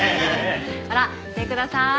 ほら見てください。